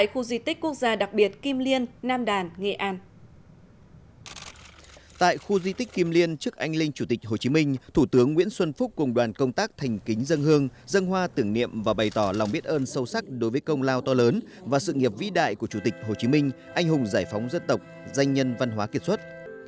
hồ chí minh thủ tướng nguyễn xuân phúc cùng đoàn công tác thành kính dân hương dân hoa tưởng niệm và bày tỏ lòng biết ơn sâu sắc đối với công lao to lớn và sự nghiệp vĩ đại của chủ tịch hồ chí minh anh hùng giải phóng dân tộc danh nhân văn hóa kiệt xuất